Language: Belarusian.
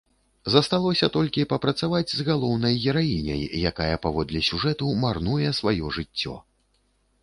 Засталося толькі папрацаваць з галоўнай гераіняй, якая паводле сюжэту марнуе сваё жыццё.